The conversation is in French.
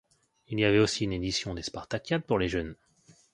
Il y avait aussi une édition des Spartakiades pour les jeunes.